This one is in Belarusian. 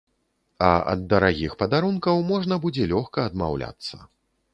А ад дарагіх падарункаў можна будзе лёгка адмаўляцца.